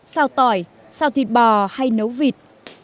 xào tỏi xào thịt bò hay nấu vịt